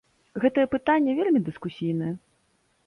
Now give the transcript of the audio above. Гэтае пытанне вельмі дыскусійнае.